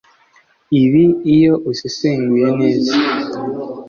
Ibi iyo usesenguye neza